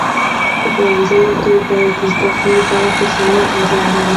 په ښوونځیو کې باید د زده کړې لپاره خوشاله فضا وي.